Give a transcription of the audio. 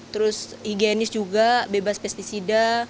terus higienis juga bebas pesticida